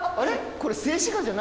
これ。